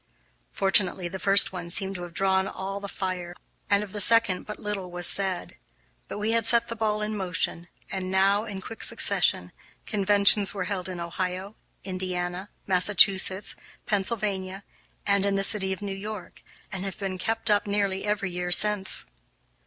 Fortunately, the first one seemed to have drawn all the fire, and of the second but little was said. But we had set the ball in motion, and now, in quick succession, conventions were held in Ohio, Indiana, Massachusetts, Pennsylvania, and in the City of New York, and have been kept up nearly every year since.